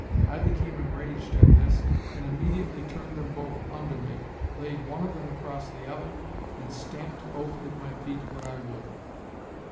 I became enraged at this and immediately turned them both under me, laid one of them across the other, and stamped both with my feet what I would.